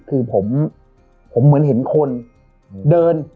คือผมเหมือนเห็นคนเดิน